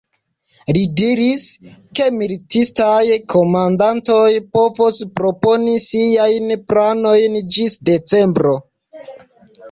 Li diris, ke militistaj komandantoj povos proponi siajn planojn ĝis decembro.